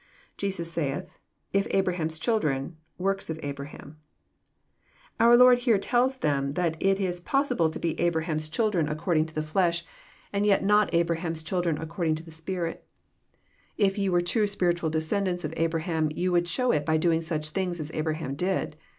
IJesus saith, ,. if Abraham's children, , ,works of Abraham,] Ou r Lord here tells them that it is x>ossible to be Abraham'^ chil 114 EXPOSnORY THOri»HTS. dren according to the flesh, and yet not Abraham's children according to the Spirit.— "If ye were true spiritual descendants of Abraham, yon would show it by doing such things as Abra ham did.